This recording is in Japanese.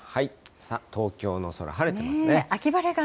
さあ、東京の空、晴れてますね。